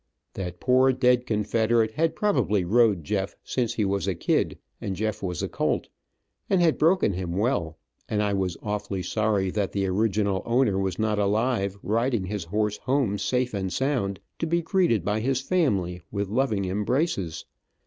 That poor, dead Confederate had probably rode Jeff since he was a kid and Jeff was a colt, and had broken him well, and I was awfully sorry that the original owner was not alive, riding his horse home safe and sound, to be greeted by his family with loving embraces.